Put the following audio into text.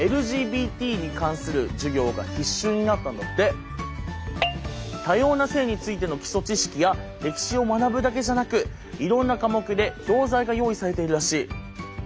イギリス北部のスコットランドでは多様な性についての基礎知識や歴史を学ぶだけじゃなくいろんな科目で教材が用意されているらしい。